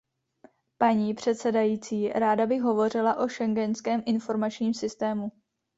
Paní předsedající, ráda bych hovořila o schengenském informačním systému.